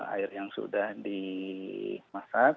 air yang sudah dimasak